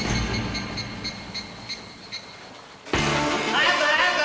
・早く早く。